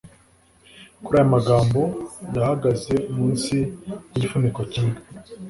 Kuri aya magambo yahagaze munsi yigifuniko kimwe